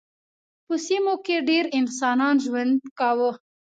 په سیمو کې ډېر انسانان ژوند کاوه.